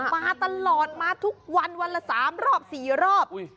มาตลอดมาทุกวันวันละ๓รอบ๔รอบ